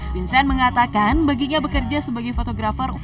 vincent mengatakan baginya bekerja sebagai fotografer